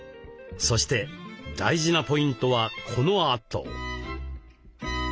そして大事なポイントはこのあと。